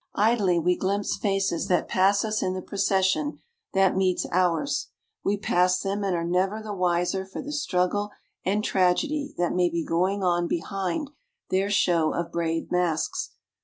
Idly we glimpse faces that pass us in the procession that meets ours. We pass them and are never the wiser for the struggle and tragedy that may be going on behind their show of brave masks.